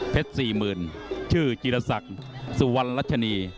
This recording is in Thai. เพ็ดสี่หมื่นชื่อจิรษักสุวรรณรัชนี